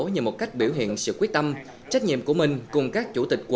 nhờ một cách biểu hiện sự quyết tâm trách nhiệm của mình